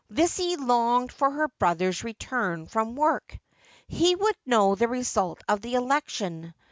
Lizzie longed for her brother's return from work. He would know the result of the election.